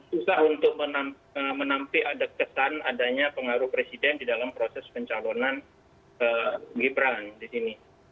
susah untuk menampik ada kesan adanya pengaruh presiden di dalam proses pencalonan gibran di sini